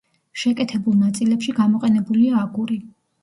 შეკეთებულ ნაწილებში გამოყენებულია აგური.